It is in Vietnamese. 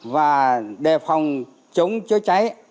và đề phòng chống chữa cháy